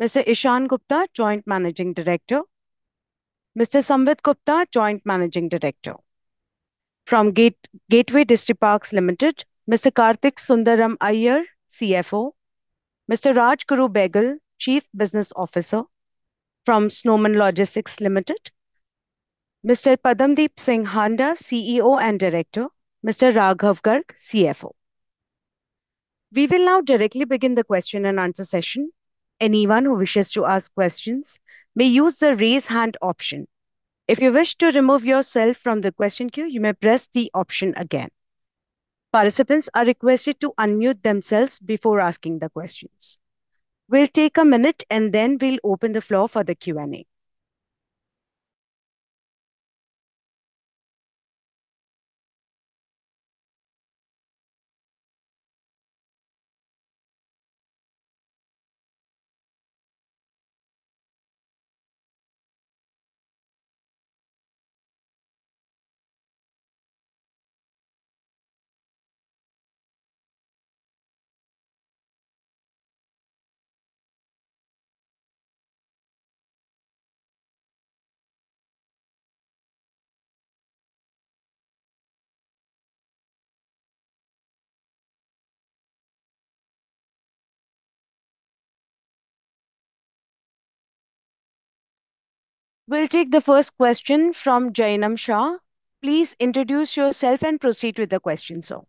Mr. Ishaan Gupta, Joint Managing Director. Mr. Samvid Gupta, Joint Managing Director. From Gateway Distriparks Limited, Mr. Kartik Sundaram Aiyer, CFO. Mr. Rajguru Behgal, Chief Business Officer. From Snowman Logistics Limited, Mr. Padamdeep Singh Handa, CEO and Director. Mr. Raghav Garg, CFO. We will now directly begin the question and answer session. Anyone who wishes to ask questions may use the Raise Hand option. If you wish to remove yourself from the question queue, you may press the option again. Participants are requested to unmute themselves before asking the questions. We'll take a minute, and then we'll open the floor for the Q&A. We'll take the first question from Jainam Shah. Please introduce yourself and proceed with the question, sir.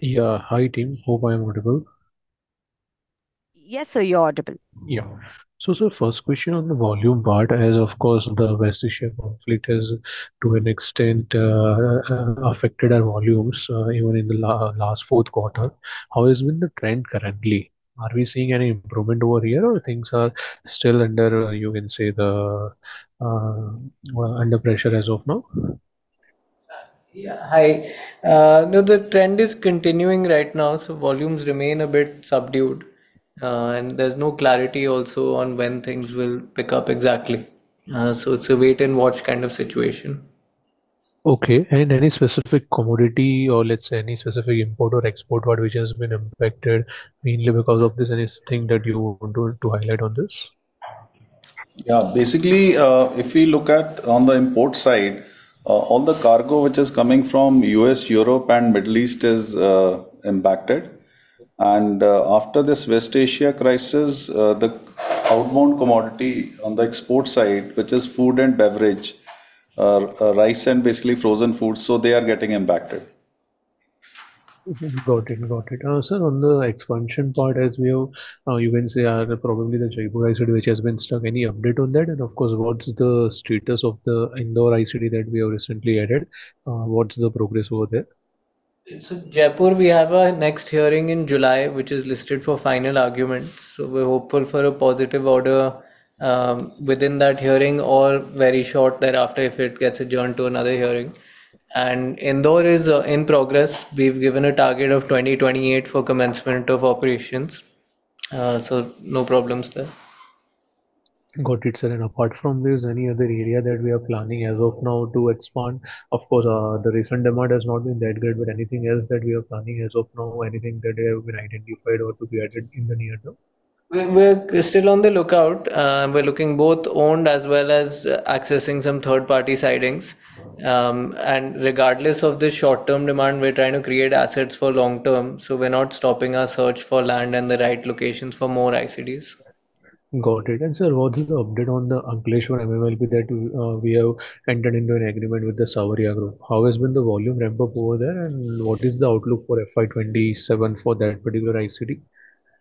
Yeah. Hi, team. Hope I am audible. Yes, sir, you are audible. Yeah. sir, first question on the volume part is, of course, the West Asia conflict has, to an extent, affected our volumes, even in the last 4th quarter. How has been the trend currently? Are we seeing any improvement over here or things are still under, you can say, the under pressure as of now? Yeah. Hi. No, the trend is continuing right now, so volumes remain a bit subdued. There's no clarity also on when things will pick up exactly. It's a wait-and-watch kind of situation. Okay. Any specific commodity or let's say any specific import or export part which has been impacted mainly because of this? Anything that you want to highlight on this? Yeah. Basically, if we look at on the import side, all the cargo which is coming from U.S., Europe, and Middle East is impacted. After this West Asia crisis, the outbound commodity on the export side, which is food and beverage, rice and basically frozen food, they are getting impacted. Got it. Got it. Sir, on the expansion part, as we have, you can say, probably the Jaipur ICD which has been stuck, any update on that? Of course, what's the status of the Indore ICD that we have recently added? What's the progress over there? Jaipur, we have our next hearing in July, which is listed for final arguments, we're hopeful for a positive order within that hearing or very short thereafter if it gets adjourned to another hearing. Indore is in progress. We've given a target of 2028 for commencement of operations. No problems there. Got it, sir. Apart from this, any other area that we are planning as of now to expand? Of course, the recent demand has not been that good, anything else that we are planning as of now, anything that have been identified or to be added in the near term? We're still on the lookout. We're looking both owned as well as accessing some third-party sidings. Regardless of the short-term demand, we're trying to create assets for long term, so we're not stopping our search for land and the right locations for more ICDs. Got it. Sir, what is the update on the Ankleshwar MMLP that we have entered into an agreement with the Sawariya Group of Industries? How has been the volume ramp-up over there, and what is the outlook for FY 2027 for that particular ICD?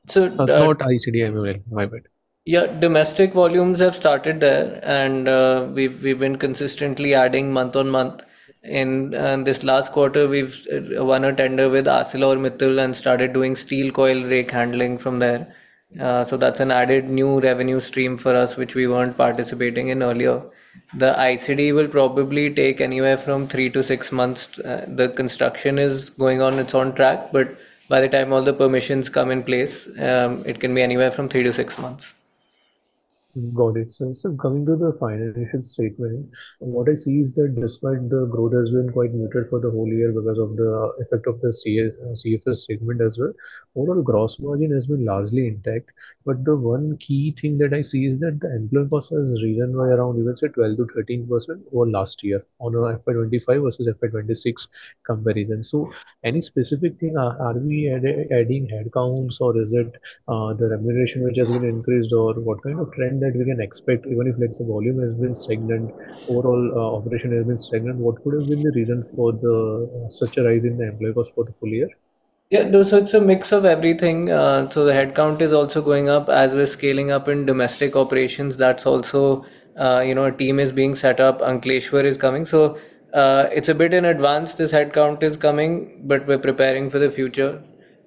Sir- Not ICD, MMLP, my bad. Yeah. Domestic volumes have started there, and we've been consistently adding month-on-month. This last quarter we've won a tender with ArcelorMittal and started doing steel coil rake handling from there. That's an added new revenue stream for us, which we weren't participating in earlier. The ICD will probably take anywhere from three to six months. The construction is going on, it's on track, by the time all the permissions come in place, it can be anywhere from three to six months. Got it, sir. Coming to the financial statement, what I see is that despite the growth has been quite muted for the whole year because of the effect of the CFS segment as well, overall gross margin has been largely intact. The one key thing that I see is that the employee cost has risen by around 12%-13% over last year on a FY 2025 versus FY 2026 comparison. Any specific thing, are we adding headcounts or is it the remuneration which has been increased or what kind of trend that we can expect even if, let's say, volume has been stagnant, overall, operation has been stagnant? What could have been the reason for the such a rise in the employee cost for the full year? Yeah, no, so it's a mix of everything. The headcount is also going up. As we're scaling up in domestic operations, that's also, you know, a team is being set up. Ankleshwar is coming. It's a bit in advance this headcount is coming, but we're preparing for the future.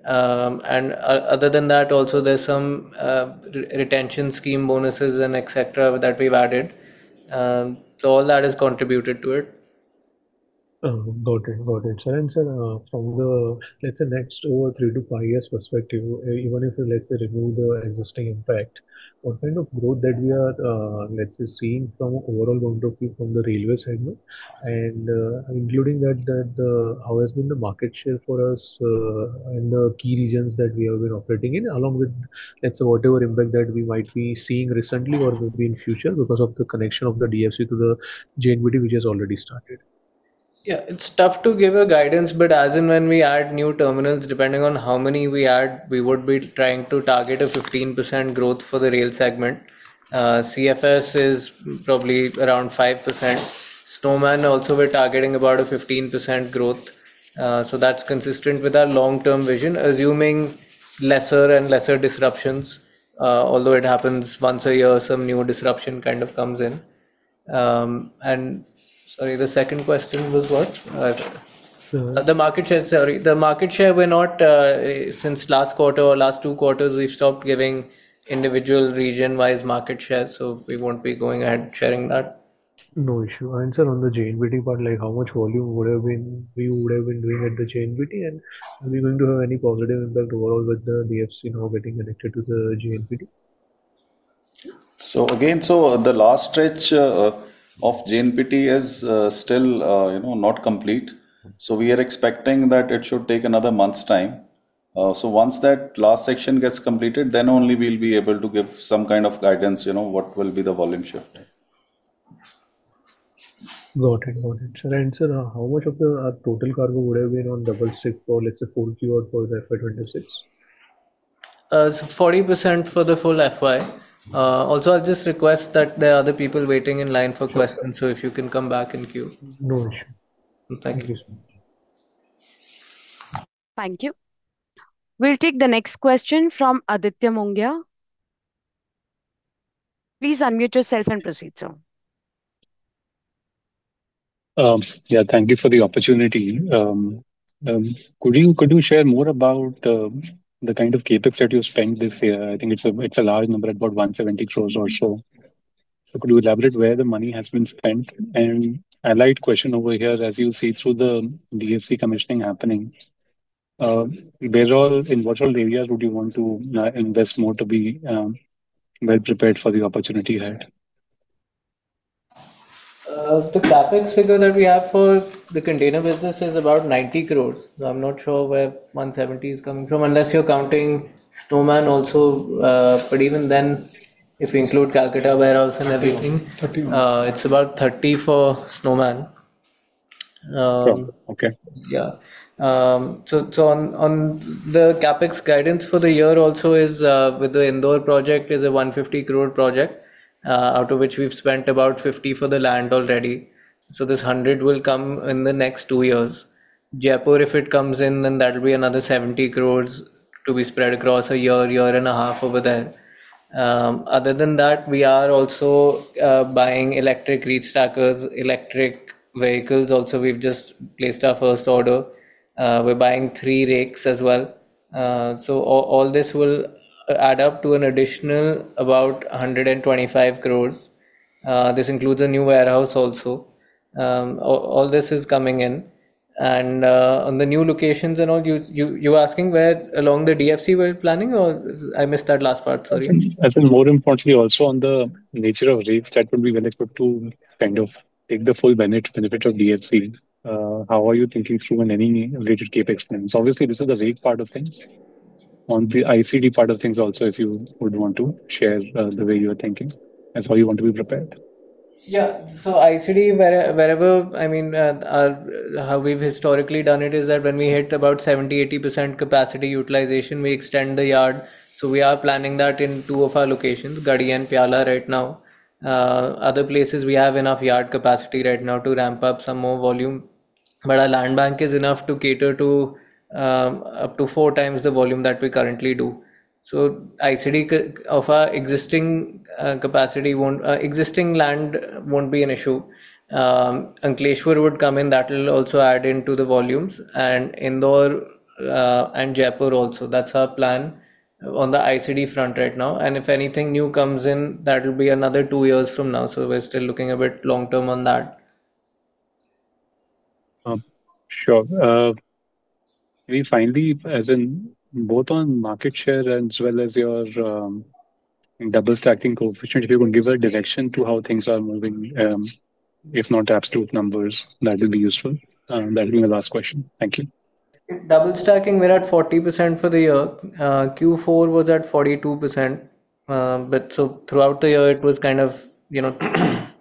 Other than that, also there's some retention scheme bonuses and et cetera that we've added. All that has contributed to it. Got it. Got it. Sir, from the, let's say next, over three to five years perspective, even if you, let's say, remove the existing impact, what kind of growth that we are, let's say, seeing from overall point of view from the Rail segment and, including that, how has been the market share for us, in the key regions that we have been operating in, along with, let's say, whatever impact that we might be seeing recently or will be in future because of the connection of the DFC to the JNPT which has already started? It's tough to give a guidance, but as and when we add new terminals, depending on how many we add, we would be trying to target a 15% growth for the Rail segment. CFS is probably around 5%. Snowman also we're targeting about a 15% growth. That's consistent with our long-term vision, assuming lesser and lesser disruptions. Although it happens once a year, some new disruption kind of comes in. Sorry, the second question was what? Sure. The market share. Sorry. The market share we're not since last quarter or last two quarters, we've stopped giving individual region-wise market share, so we won't be going ahead sharing that. No issue. Sir, on the JNPT part, like how much volume would have been, we would have been doing at the JNPT, and are we going to have any positive impact overall with the DFC now getting connected to the JNPT? Again, so the last stretch of JNPT is still, you know, not complete, so we are expecting that it should take another month's time. Once that last section gets completed, then only we'll be able to give some kind of guidance, you know, what will be the volume shifting. Got it. Sir, how much of the total cargo would have been on double stack for, let's say, full year for FY 2026? 40% for the full FY. I'll just request that there are other people waiting in line for questions. Sure If you can come back in queue. No issue. Thank you. Thank you so much. Thank you. We'll take the next question from Aditya Mongia. Please unmute yourself and proceed, sir. Yeah, thank you for the opportunity. Could you share more about the kind of CapEx that you spent this year? I think it's a, it's a large number, about 170 crores or so. Could you elaborate where the money has been spent? Allied question over here, as you see through the DFC commissioning happening, where all in what all the areas would you want to invest more to be well prepared for the opportunity ahead? The CapEx figure that we have for the container business is about 90 crores. I'm not sure where 170 crores is coming from, unless you're counting Snowman also. Even then, if we include Calcutta warehouse and everything. INR 30 crores. It's about 30 crores for Snowman. Oh, okay. On the CapEx guidance for the year also is, with the Indore project, is a 150 crore project, out of which we've spent about 50 for the land already. This 100 will come in the next two years. Jaipur, if it comes in, that'll be another 70 crores to be spread across a year and a half over there. Other than that, we are also buying electric reach stackers, electric vehicles also, we've just placed our first order. We're buying three rakes as well. All this will add up to an additional about 125 crores. This includes a new warehouse also. All this is coming in. On the new locations and all, you were asking where along the DFC we're planning or I missed that last part, sorry? As in more importantly also on the nature of rakes that would be well-equipped to kind of take the full benefit of DFC, how are you thinking through in any related CapEx spends? Obviously, this is the rake part of things. On the ICD part of things also, if you would want to share, the way you are thinking, that's how you want to be prepared. Yeah. ICD wherever, I mean, how we've historically done it is that when we hit about 70%, 80% capacity utilization, we extend the yard. We are planning that in two of our locations, Garhi and Piyala right now. Other places we have enough yard capacity right now to ramp up some more volume, but our land bank is enough to cater to up to 4x the volume that we currently do. ICD of our existing land won't be an issue. Ankleshwar would come in, that will also add into the volumes, Indore, and Jaipur also. That's our plan on the ICD front right now. If anything new comes in, that'll be another two years from now. We're still looking a bit long-term on that. Sure. Maybe finally, as in both on market share as well as your double-stacking coefficient, if you can give a direction to how things are moving, if not absolute numbers, that'll be useful. That'll be my last question. Thank you. Double-stacking we're at 40% for the year. Q4 was at 42%. Throughout the year it was kind of, you know,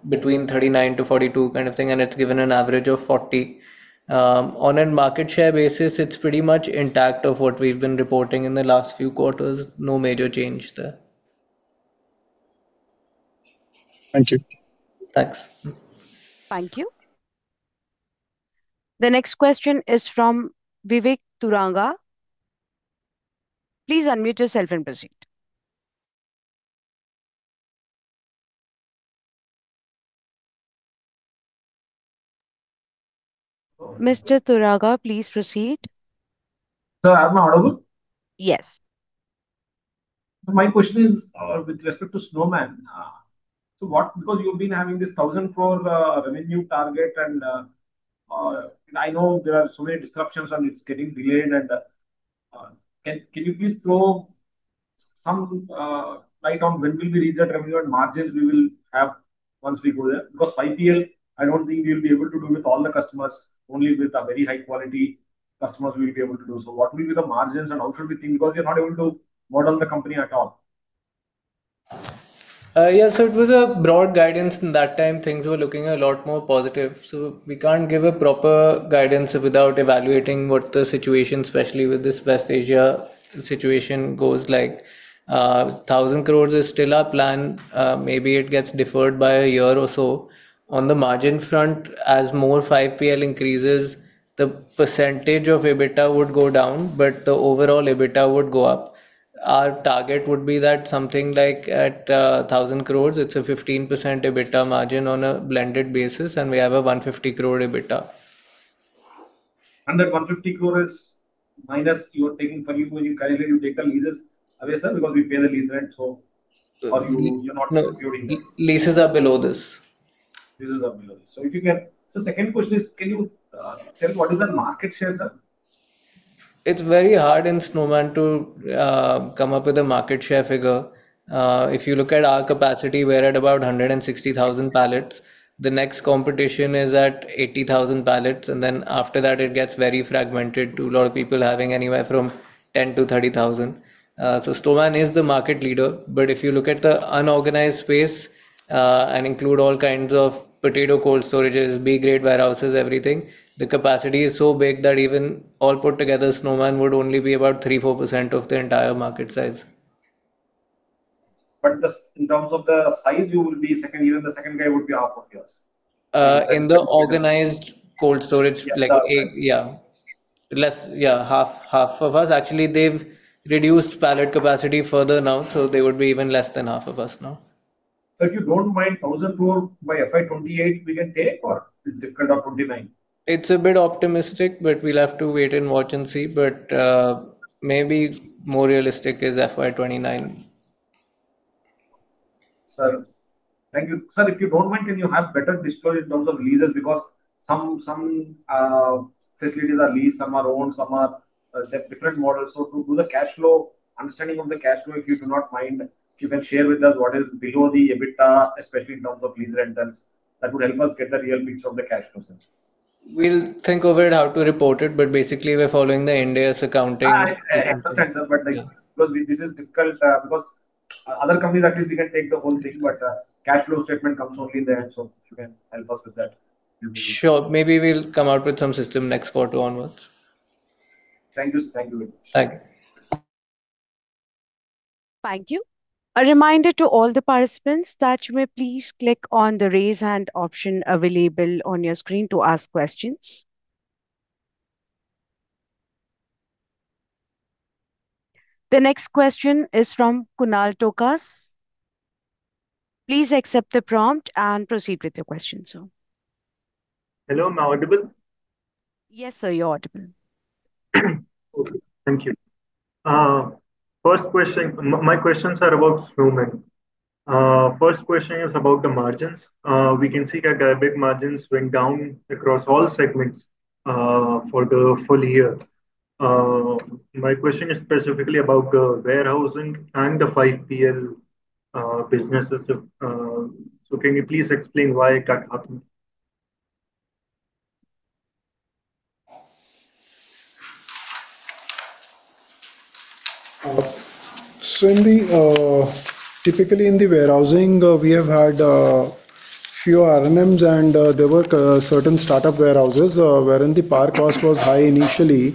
between 39%-42% kind of thing, and it's given an average of 40%. On a market share basis, it's pretty much intact of what we've been reporting in the last few quarters. No major change there. Thank you. Thanks. Thank you. The next question is from Vivek Turaga. Please unmute yourself and proceed. Mr. Turaga, please proceed. Sir, am I audible? Yes. My question is with respect to Snowman. Because you've been having this 1,000 crore revenue target and I know there are so many disruptions and it's getting delayed and can you please throw some light on when will we reach that revenue and margins we will have once we go there? Because 5PL, I don't think we'll be able to do with all the customers. Only with the very high quality customers we'll be able to do so. What will be the margins and how should we think? Because we are not able to model the company at all. Yeah, it was a broad guidance. In that time things were looking a lot more positive, we can't give a proper guidance without evaluating what the situation, especially with this West Asia situation goes like. 1,000 crores is still our plan, maybe it gets deferred by a year or so. On the margin front, as more 5PL increases, the percentage of EBITDA would go down, the overall EBITDA would go up. Our target would be that something like at 1,000 crores, it's a 15% EBITDA margin on a blended basis, we have a 150 crore EBITDA. That 150 crore is minus you're taking for you. When you calculate, you take the leases away, sir, because we pay the lease rent. You're not including that. No, leases are below this. Leases are below this. Second question is, can you tell what is the market share, sir? It's very hard in Snowman to come up with a market share figure. If you look at our capacity, we're at about 160,000 pallets. The next competition is at 80,000 pallets, and then after that it gets very fragmented to a lot of people having anywhere from 10,000-30,000. Snowman is the market leader. If you look at the unorganized space, and include all kinds of potato cold storages, B-grade warehouses, everything, the capacity is so big that even all put together, Snowman would only be about 3%-4% of the entire market size. In terms of the size, you will be second, even the second guy would be half of yours. In the organized cold storage- Yeah. Like, yeah, less Yeah, half of us. Actually, they've reduced pallet capacity further now, so they would be even less than half of us now. If you don't mind, 1,000 crore by FY 2028 we can take or it's difficult, or 2029? It's a bit optimistic, but we'll have to wait and watch and see. Maybe more realistic is FY 2029. Sir, thank you. Sir, if you don't mind, can you have better disclosure in terms of leases? Because some facilities are leased, some are owned, some are different models. To do the cash flow, understanding of the cash flow, if you do not mind, if you can share with us what is below the EBITDA, especially in terms of lease rentals. That would help us get the real picture of the cash flows, sir. We'll think over it how to report it, but basically we're following the India's accounting system. Makes sense, sir. Because this is difficult, because other companies at least we can take the whole thing, but cash flow statement comes only there, if you can help us with that, it'll be good. Sure. Maybe we'll come out with some system next quarter onwards. Thank you, sir. Thank you very much. Thank you. Thank you. A reminder to all the participants that you may please click on the raise hand option available on your screen to ask questions. The next question is from Kunal Tokas. Please accept the prompt and proceed with your question, sir. Hello, am I audible? Yes, sir, you are audible. Okay. Thank you. My questions are about Snowman. First question is about the margins. We can see that EBITDA margins went down across all segments for the full year. My question is specifically about the warehousing and the 5PL businesses. Can you please explain why that happened? In the, typically in the warehousing, we have had a few R&Ms and there were certain startup warehouses wherein the power cost was high initially.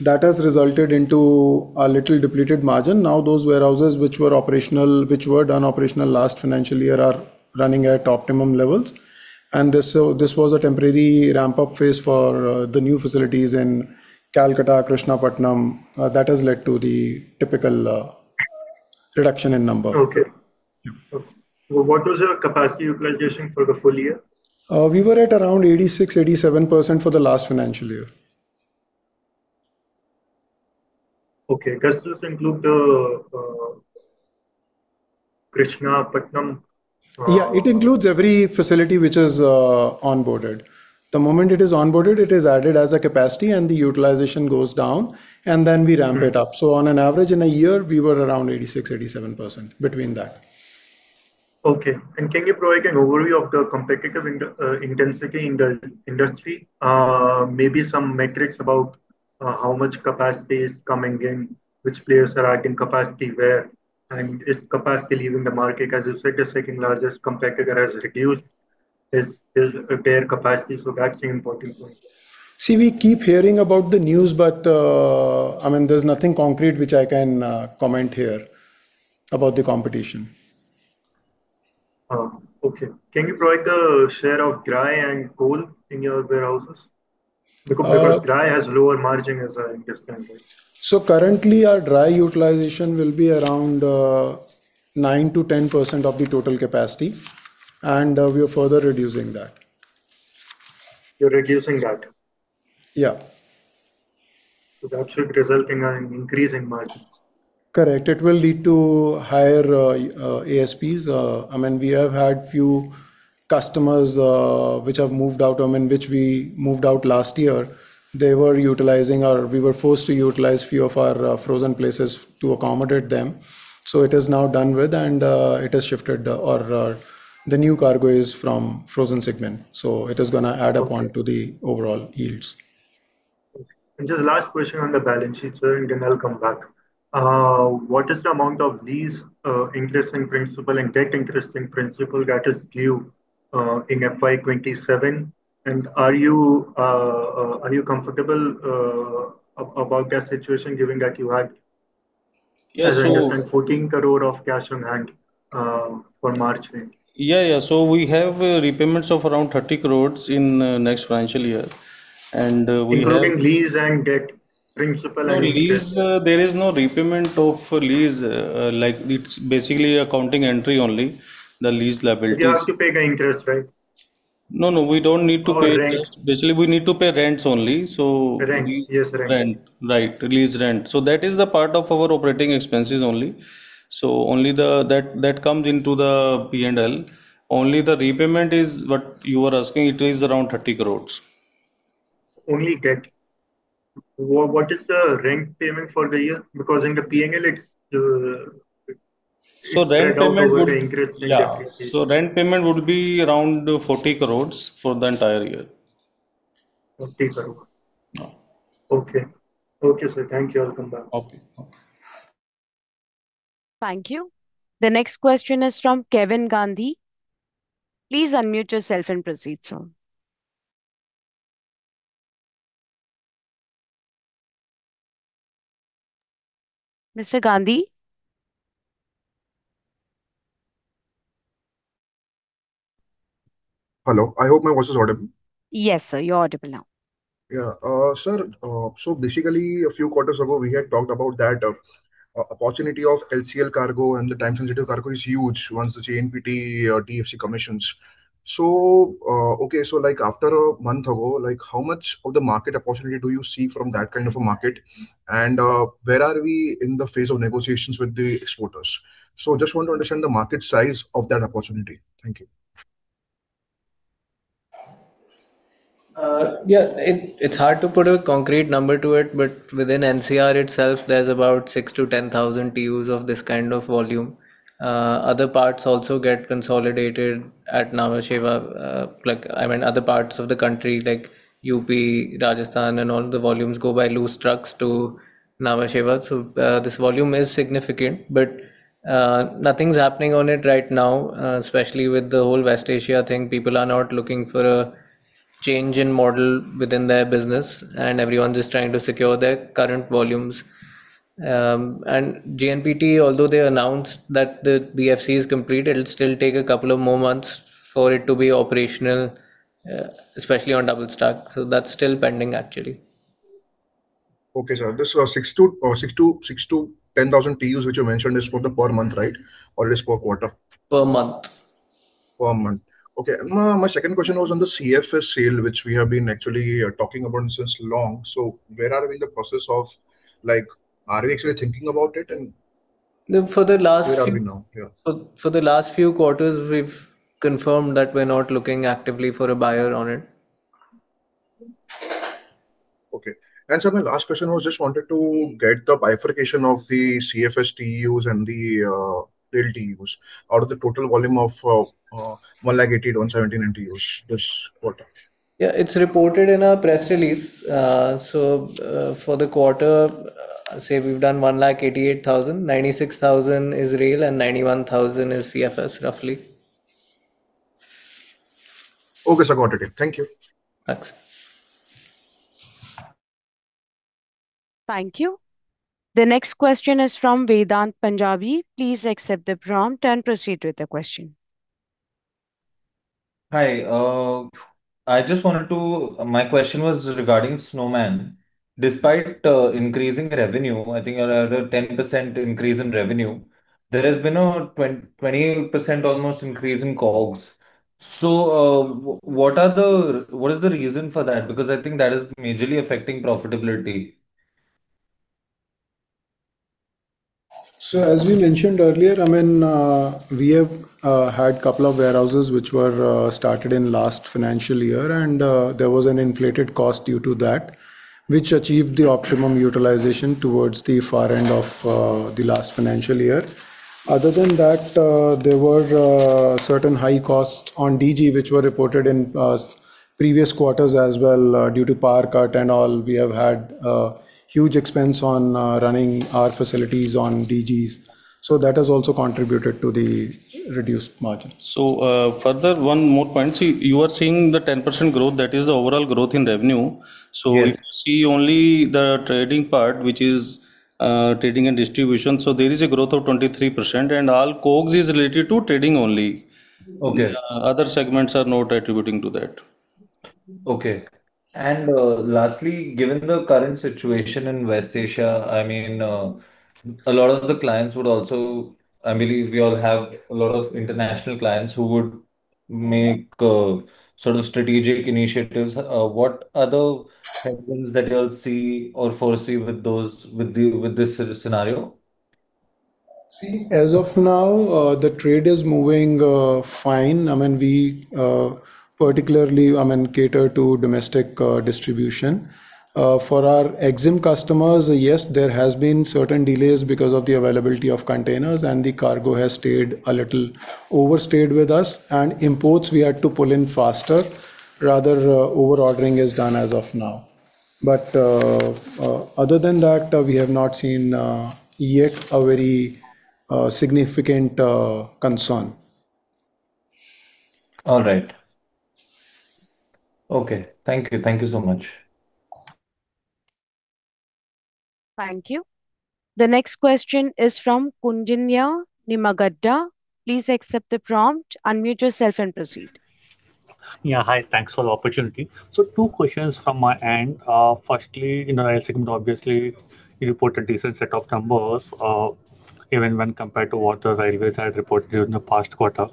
That has resulted in a little depleted margin. Now, those warehouses which were done operational last financial year are running at optimum levels. This was a temporary ramp-up phase for the new facilities in Kolkata, Krishnapatnam. That has led to the typical reduction in number. Okay. Yeah. What was your capacity utilization for the full year? We were at around 86%-87% for the last financial year. Okay. Does this include Krishnapatnam? Yeah. It includes every facility which is onboarded. The moment it is onboarded, it is added as a capacity and the utilization goes down, and then we ramp it up. Okay. On an average, in a year, we were around 86%, 87%. Between that. Okay. Can you provide an overview of the competitive intensity in the industry? Maybe some metrics about how much capacity is coming in, which players are adding capacity where, and is capacity leaving the market? As you said, the second-largest competitor has reduced his, their capacity, that is the important point. See, we keep hearing about the news, but, I mean, there's nothing concrete which I can comment here about the competition. Okay. Can you provide the share of dry and cold in your warehouses? Uh- Dry has lower margin, as I understand it. Currently, our dry utilization will be around 9%-10% of the total capacity, and we are further reducing that. You're reducing that? Yeah. That should result in an increase in margins. Correct. It will lead to higher ASPs. I mean, we have had few customers, which have moved out, I mean, which we moved out last year. We were forced to utilize few of our frozen places to accommodate them. It is now done with and it has shifted, or the new cargo is from frozen segment, so it is going to add up onto the overall yields. Okay. Just last question on the balance sheet, sir, and then I'll come back. What is the amount of these interest and principal and debt interest and principal that is due in FY 2027? Are you comfortable about that situation given that you had Yeah, so- Around INR 14 crore of cash on hand, for March, right? Yeah, yeah. We have repayments of around 30 crores in next financial year. Including lease and debt principal and interest. No, lease, there is no repayment of lease. Like, it's basically accounting entry only, the lease liabilities. You have to pay the interest, right? No, no, we don't need to pay interest. rent. Basically, we need to pay rents only. Rent. Yes, rent. Rent. Right. Lease rent. That is the part of our operating expenses only. Only that comes into the P&L. Only the repayment is what you are asking. It is around 30 crores. Only debt. What is the rent payment for the year? Rent payment would- doubled with the interest and debt Yeah. Rent payment would be around 40 crores for the entire year. 40 crore. Yeah. Okay. Okay, sir. Thank you. I'll come back. Okay. Okay. Thank you. The next question is from Kevin Gandhi. Please unmute yourself and proceed, sir. Mr. Gandhi? Hello. I hope my voice is audible. Yes, sir. You're audible now. Yeah. sir, basically a few quarters ago we had talked about that opportunity of LCL cargo and the time-sensitive cargo is huge once the JNPT or DFC commissions. Okay, so like after a month ago, like how much of the market opportunity do you see from that kind of a market? Where are we in the phase of negotiations with the exporters? Just want to understand the market size of that opportunity. Thank you. Yeah, it's hard to put a concrete number to it, but within NCR itself there's about 6,000 TEUs-10,000 TEUs of this kind of volume. Other parts also get consolidated at Nhava Sheva, like, I mean, other parts of the country like UP, Rajasthan, and all the volumes go by loose trucks to Nhava Sheva. This volume is significant. Nothing's happening on it right now, especially with the whole West Asia thing. People are not looking for a change in model within their business, everyone's just trying to secure their current volumes. JNPT, although they announced that the DFC is complete, it'll still take a couple of more months for it to be operational, especially on double stack. That's still pending actually. Okay, sir. This 6,000 TEUs-10,000 TEUs which you mentioned is for the per month, right? Or it is per quarter? Per month. Per month. Okay. My second question was on the CFS sale which we have been actually talking about since long. Where are we in the process of Like, are we actually thinking about it? No, for the last few- Where are we now? Yeah. For the last few quarters we've confirmed that we're not looking actively for a buyer on it. Okay. Sir, my last question was just wanted to get the bifurcation of the CFS TEUs and the rail TEUs out of the total volume of 181,079 TEUs this quarter. Yeah. It's reported in our press release. For the quarter, say we've done one like 88,000, 96,000 is rail and 91,000 is CFS roughly. Okay, sir. Got it. Thank you. Thanks. Thank you. The next question is from Vedant Punjabi. Please accept the prompt and proceed with the question. Hi. My question was regarding Snowman. Despite increasing revenue, I think around a 10% increase in revenue, there has been a 20% almost increase in COGS. What is the reason for that? Because I think that is majorly affecting profitability. As we mentioned earlier, I mean, we have had couple of warehouses which were started in last financial year and there was an inflated cost due to that, which achieved the optimum utilization towards the far end of the last financial year. Other than that, there were certain high costs on DG which were reported in previous quarters as well, due to power cut and all. We have had huge expense on running our facilities on DGs. That has also contributed to the reduced margins. Further one more point. See, you are seeing the 10% growth, that is the overall growth in revenue. Yes. If you see only the trading part, which is, trading and distribution, there is a growth of 23%, and all COGS is related to trading only. Okay. Other segments are not attributing to that. Okay. Lastly, given the current situation in West Asia, I mean, a lot of the clients would also I believe you all have a lot of international clients who would make, sort of strategic initiatives. What are the patterns that you all see or foresee with those, with this scenario? See, as of now, the trade is moving fine. I mean, we particularly, I mean, cater to domestic distribution. For our Export-Import customers, yes, there has been certain delays because of the availability of containers and the cargo has stayed a little overstayed with us, and imports we had to pull in faster, rather, over ordering is done as of now. Other than that, we have not seen yet a very significant concern. All right. Okay. Thank you. Thank you so much. Thank you. The next question is from Koundinya Nimmagadda. Please accept the prompt, unmute yourself and proceed. Yeah, hi. Thanks for the opportunity. Two questions from my end. Firstly, you know, Rail segment, obviously you reported decent set of numbers, even when compared to what the railways had reported during the past quarter.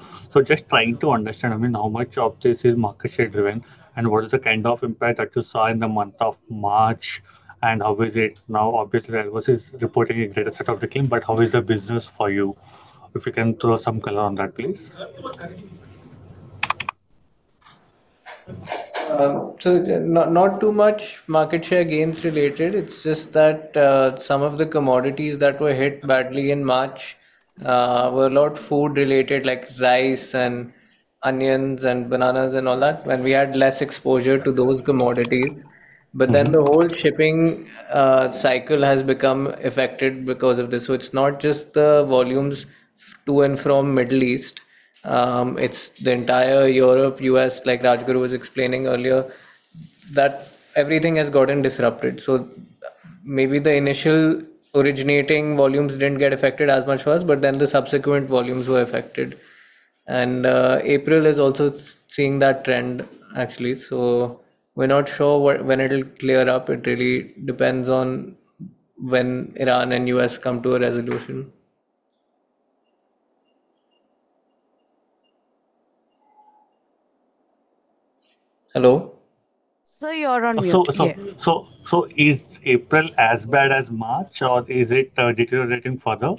Just trying to understand, I mean, how much of this is market share driven, and what is the kind of impact that you saw in the month of March, and how is it now? Obviously, railways is reporting a greater set of decline, how is the business for you? If you can throw some color on that, please. Not too much market share gains related. It's just that, some of the commodities that were hit badly in March, were a lot food related, like rice and onions and bananas and all that, and we had less exposure to those commodities. The whole shipping cycle has become affected because of this. It's not just the volumes to and from Middle East, it's the entire Europe, U.S., like Rajguru was explaining earlier, that everything has gotten disrupted. Maybe the initial originating volumes didn't get affected as much first, the subsequent volumes were affected. April is also seeing that trend actually. We're not sure when it'll clear up. It really depends on when Iran and U.S. come to a resolution. Hello? Sir, you are on mute. Yeah. Is April as bad as March or is it deteriorating further?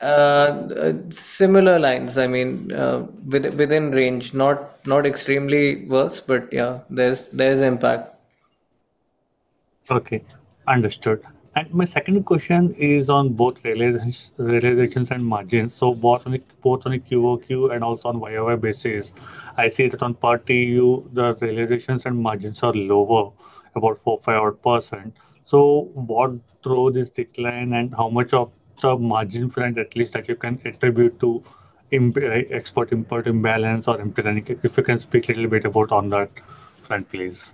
Similar lines. I mean, within range, not extremely worse, but yeah, there's impact. Okay. Understood. My second question is on both realizations and margins. Both on a QoQ and also on YoY basis. I see that on per TEU the realizations and margins are lower, about 4%, or odd 5%. What drove this decline and how much of the margin front, at least that you can attribute to Export-Import imbalance or impairment, if you can speak a little bit about on that front, please.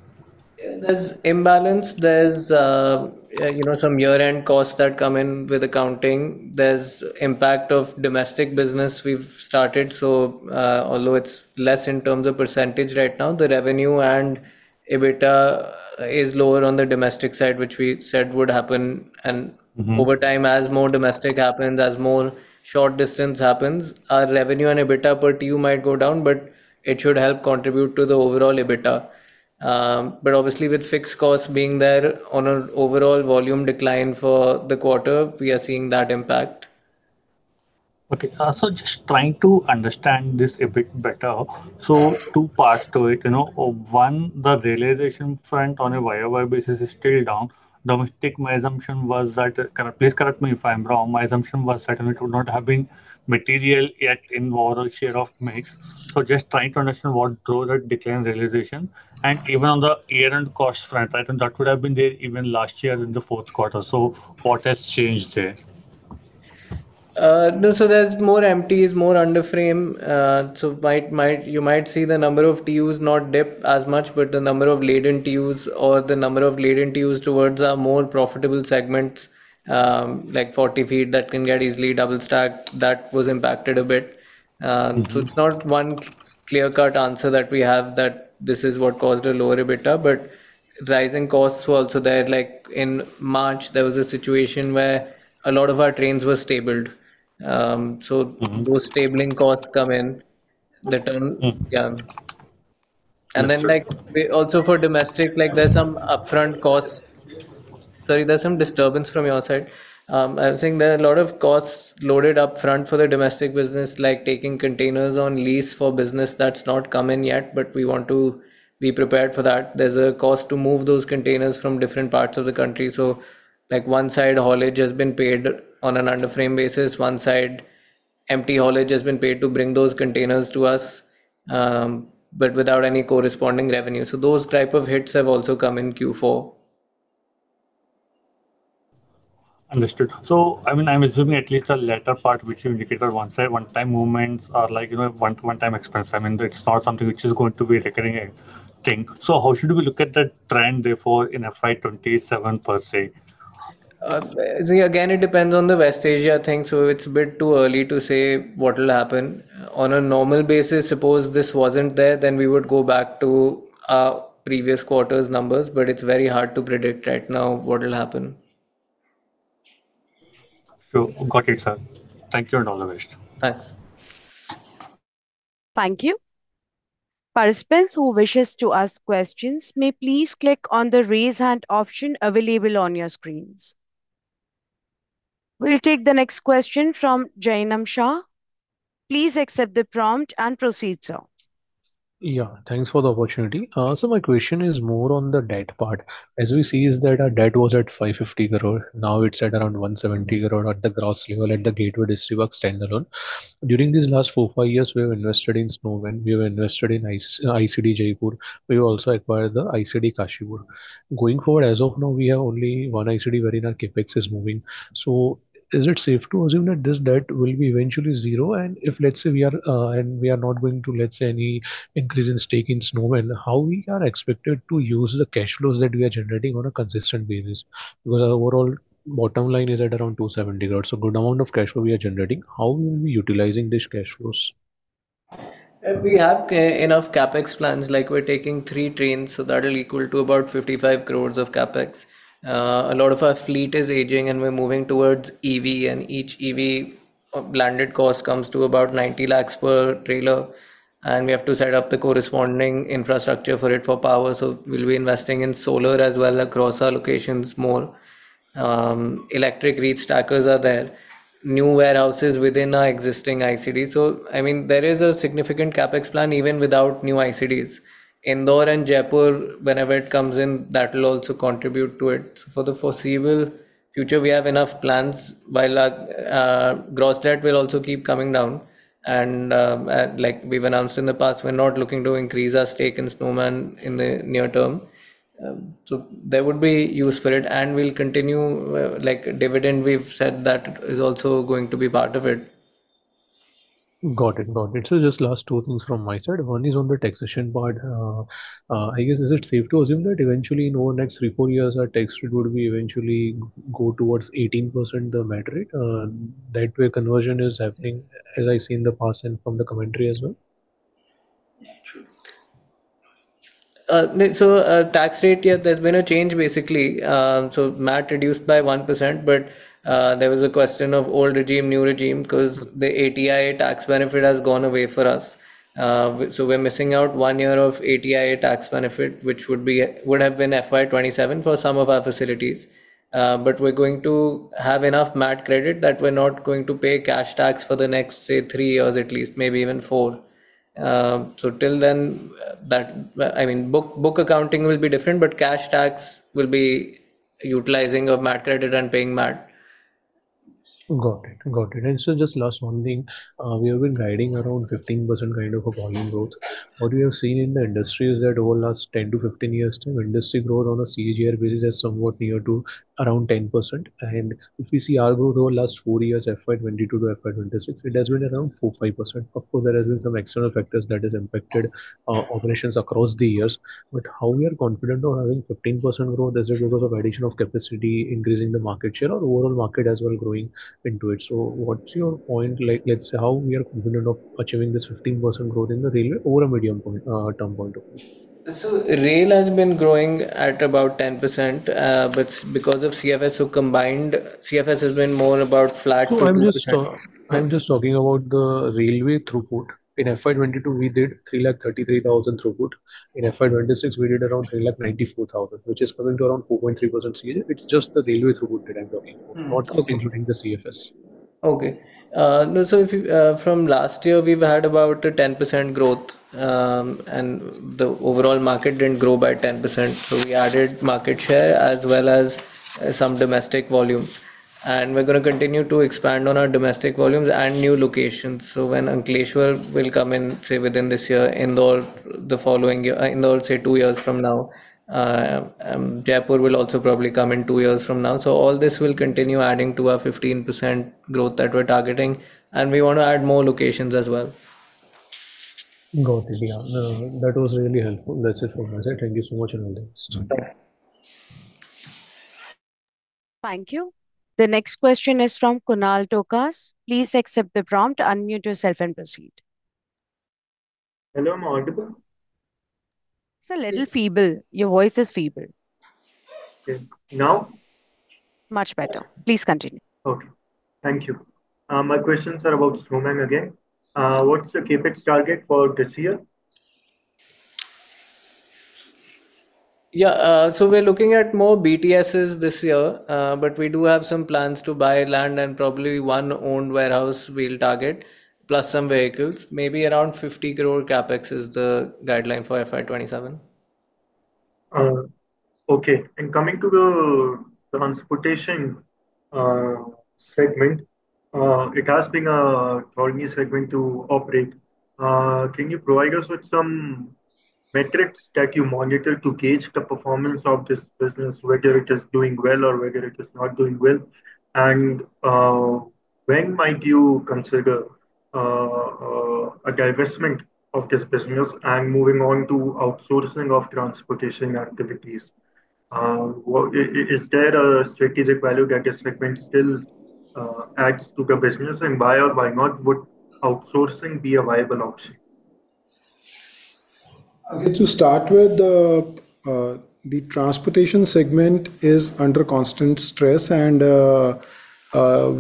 There's imbalance, there's, you know, some year-end costs that come in with accounting. There's impact of domestic business we've started, so, although it's less in terms of percentage right now, the revenue and EBITDA is lower on the domestic side, which we said would happen. Over time, as more domestic happens, as more short distance happens, our revenue and EBITDA per TEU might go down, but it should help contribute to the overall EBITDA. Obviously with fixed costs being there on a overall volume decline for the quarter, we are seeing that impact. Okay. Just trying to understand this a bit better. Two parts to it, you know. One, the realization front on a YoY basis is still down. Domestic, my assumption was that, please correct me if I'm wrong, my assumption was that it would not have been material yet in overall share of mix. Just trying to understand what drove that decline realization. Even on the year-end cost front item, that would have been there even last year in the fourth quarter, what has changed there? No, there's more empties, more under frame. You might see the number of TEUs not dip as much, but the number of laden TEUs or the number of laden TEUs towards our more profitable segments, like 40 ft that can get easily double stacked, that was impacted a bit. It's not one clear-cut answer that we have that this is what caused a lower EBITDA. Rising costs were also there. In March, there was a situation where a lot of our trains were stabled. Those stabling costs come in. Yeah. Just to- We also for domestic, like, there is some upfront costs. Sorry, there is some disturbance from your side. I was saying there are a lot of costs loaded up front for the domestic business, like taking containers on lease for business that is not come in yet, but we want to be prepared for that. There is a cost to move those containers from different parts of the country. One side haulage has been paid on an under frame basis, one side empty haulage has been paid to bring those containers to us, but without any corresponding revenue. Those type of hits have also come in Q4. Understood. I mean, I'm assuming at least the latter part which you indicated, one side, one time movements are like, you know, one time expense. I mean, it is not something which is going to be recurring, I think. How should we look at the trend therefore in FY 2027 per se? See, again, it depends on the West Asia thing. It's a bit too early to say what will happen. On a normal basis, suppose this wasn't there, then we would go back to previous quarters numbers. It's very hard to predict right now what will happen. Sure. Got it, sir. Thank you, and all the best. Thanks. Thank you. Participants who wishes to ask questions may please click on the Raise Hand option available on your screens. We'll take the next question from Jainam Shah. Please accept the prompt and proceed, sir. Yeah. Thanks for the opportunity. My question is more on the debt part. As we see is that our debt was at 550 crore, now it's at around 170 crore at the gross level at the Gateway Distriparks standalone. During these last four, five years, we have invested in Snowman Logistics, we have invested in ICD Jaipur, we have also acquired the ICD Kashipur. Going forward, as of now, we have only one ICD wherein our CapEx is moving. Is it safe to assume that this debt will be eventually zero? If, let's say, we are, and we are not going to, let's say, any increase in stake in Snowman Logistics, how we are expected to use the cash flows that we are generating on a consistent basis? Our overall bottom line is at around 270 crore. Good amount of cash flow we are generating. How are we utilizing this cash flows? We have enough CapEx plans, like we're taking three trains, so that'll equal to about 55 crores of CapEx. A lot of our fleet is aging, and we're moving towards EV, and each EV blended cost comes to about 90 lakhs per trailer, and we have to set up the corresponding infrastructure for it for power. We'll be investing in solar as well across our locations more. Electric reach stackers are there. New warehouses within our existing ICD. I mean, there is a significant CapEx plan even without new ICDs. Indore and Jaipur, whenever it comes in, that will also contribute to it. For the foreseeable future, we have enough plans. Gross debt will also keep coming down and, like we've announced in the past, we're not looking to increase our stake in Snowman in the near term. There would be use for it and we'll continue, like dividend, we've said that is also going to be part of it. Got it. Got it. Just last two things from my side. One is on the taxation part. I guess, is it safe to assume that eventually in, what, next three, four years our tax rate would be eventually go towards 18% the MAT rate? That way conversion is happening as I see in the past and from the commentary as well. Yeah, true. tax rate, there's been a change basically. MAT reduced by 1%, there was a question of old regime, new regime, 'cause the 80IA tax benefit has gone away for us. we're missing out one year of 80IA tax benefit, which would have been FY 2027 for some of our facilities. we're going to have enough MAT credit that we're not going to pay cash tax for the next, say, three years at least, maybe even four. till then, Well, I mean, book accounting will be different, but cash tax will be utilizing of MAT credit and paying MAT. Got it. Got it. Just last one thing. We have been guiding around 15% kind of a volume growth. What we have seen in the industry is that over last 10-15 years time, industry growth on a CAGR basis is somewhat near to around 10%. If you see our growth over the last four years, FY 2022 to FY 2026, it has been around 4%, 5%. Of course, there has been some external factors that has impacted operations across the years. How we are confident of having 15% growth, is it because of addition of capacity increasing the market share or overall market as well growing into it? What's your point, like, let's say, how we are confident of achieving this 15% growth in the railway over a medium term point of view? Rail has been growing at about 10%, but because of CFS who combined, CFS has been more about flat. No, I'm just talking about the railway throughput. In FY 2022, we did 333,000 throughput. In FY 2026, we did around 394,000, which is coming to around 4.3% CAGR. It's just the railway throughput that I'm talking about. Okay. Not including the CFS. Okay. If you from last year, we've had about a 10% growth, the overall market didn't grow by 10%. We added market share as well as some domestic volume. We're gonna continue to expand on our domestic volumes and new locations. When Ankleshwar will come in, say within this year, Indore the following year, Indore, say two years from now, Jaipur will also probably come in two years from now. All this will continue adding to our 15% growth that we're targeting, and we wanna add more locations as well. Got it. That was really helpful. That's it from my side. Thank you so much, all the best. Thank you. Thank you. The next question is from Kunal Tokas. Please accept the prompt, unmute yourself, and proceed. Hello, am I audible? It's a little feeble. Your voice is feeble. Okay. Now? Much better. Please continue. Okay. Thank you. My questions are about Snowman again. What's the CapEx target for this year? Yeah. We're looking at more BTS this year. We do have some plans to buy land and probably one owned warehouse we'll target, plus some vehicles. Maybe around 50 crore CapEx is the guideline for FY 2027. Okay. Coming to the transportation segment, it has been a challenging segment to operate. Can you provide us with some metrics that you monitor to gauge the performance of this business, whether it is doing well or whether it is not doing well? When might you consider a divestment of this business and moving on to outsourcing of transportation activities, is there a strategic value that this segment still adds to the business, and why or why not would outsourcing be a viable option? To start with, the transportation segment is under constant stress and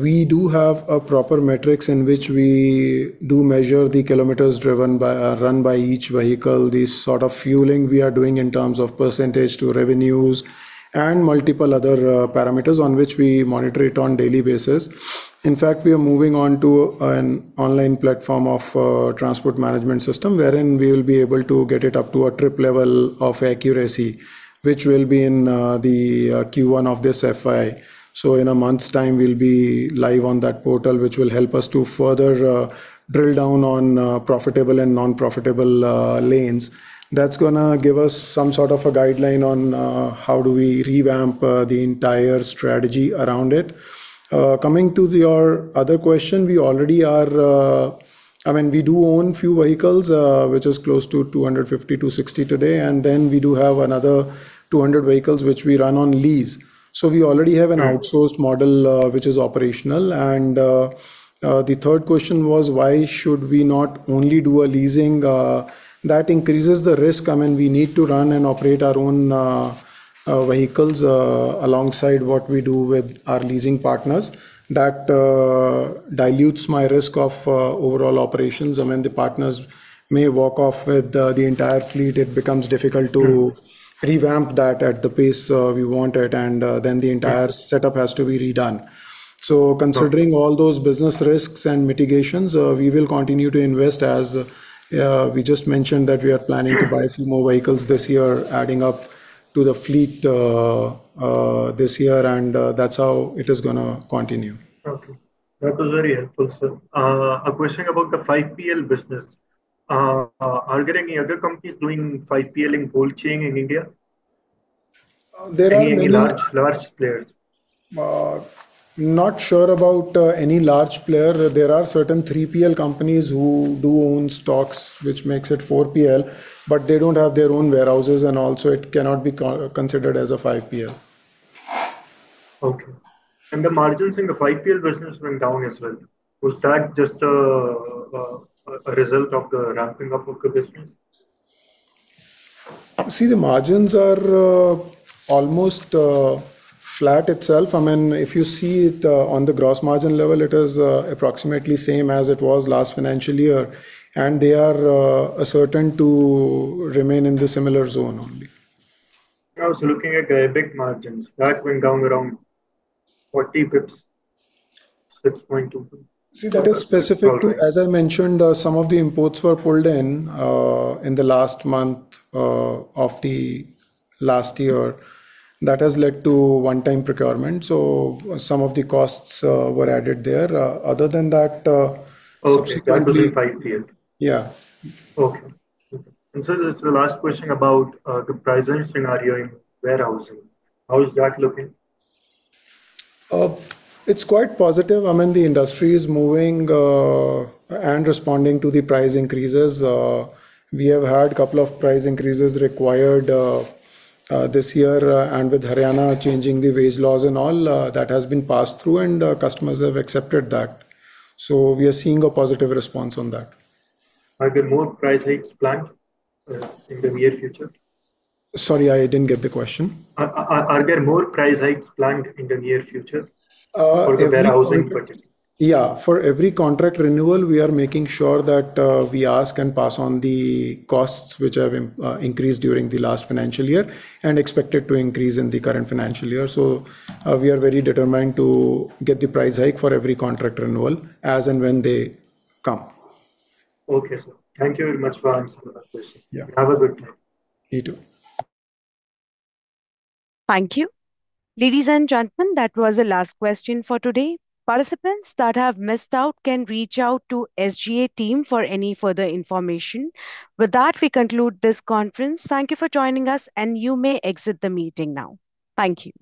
we do have a proper metrics in which we do measure the kilometers driven by, run by each vehicle, the sort of fueling we are doing in terms of percentage to revenues and multiple other parameters on which we monitor it on daily basis. In fact, we are moving on to an online platform of transport management system wherein we will be able to get it up to a trip level of accuracy, which will be in Q1 of this FY. In a month's time we'll be live on that portal, which will help us to further drill down on profitable and non-profitable lanes. That's gonna give us some sort of a guideline on how do we revamp the entire strategy around it. Coming to your other question, we already are, I mean, we do own few vehicles, which is close to 250-260 today, and then we do have another 200 vehicles which we run on lease. We already have Right an outsourced model, which is operational. The third question was why should we not only do a leasing, that increases the risk. I mean, we need to run and operate our own vehicles, alongside what we do with our leasing partners. That dilutes my risk of overall operations. I mean, the partners may walk off with the entire fleet. It becomes difficult to- Right revamp that at the pace, we want it and, then the entire- Right setup has to be redone. Right Considering all those business risks and mitigations, we will continue to invest as we just mentioned that we are planning to buy a few more vehicles this year, adding up to the fleet this year, and that's how it is going to continue. Okay. That was very helpful, sir. A question about the 5PL business. Are there any other companies doing 5PL in cold chain in India? There are many- Any large players? Not sure about any large player. There are certain 3PL companies who do own stocks, which makes it 4PL, but they don't have their own warehouses and also it cannot be considered as a 5PL. Okay. The margins in the 5PL business went down as well. Was that just a result of the ramping up of the business? The margins are almost flat itself. I mean, if you see it on the gross margin level, it is approximately same as it was last financial year, and they are ascertain to remain in the similar zone only. I was looking at the EBIT margins. That went down around 40 basis points, 6.2%. See, that is specific to. Okay As I mentioned, some of the imports were pulled in the last month of the last year. That has led to one-time procurement, so some of the costs were added there. Other than that. Okay. That was the 5PL? Yeah. Okay. sir, just the last question about the present scenario in warehousing. How is that looking? It's quite positive. I mean, the industry is moving and responding to the price increases. We have had couple of price increases required this year, and with Haryana changing the wage laws and all, that has been passed through and our customers have accepted that. We are seeing a positive response on that. Are there more price hikes planned in the near future? Sorry, I didn't get the question. Are there more price hikes planned in the near future? For the warehousing project? Yeah. For every contract renewal we are making sure that we ask and pass on the costs which have increased during the last financial year, and expect it to increase in the current financial year. We are very determined to get the price hike for every contract renewal as and when they come. Okay, sir. Thank you very much for answering my questions. Yeah. Have a good day. You too. Thank you. Ladies and gentlemen, that was the last question for today. Participants that have missed out can reach out to SGA team for any further information. With that, we conclude this conference. Thank you for joining us, and you may exit the meeting now. Thank you.